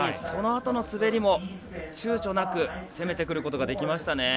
そのあとの滑りもちゅうちょなく攻めてくることができました。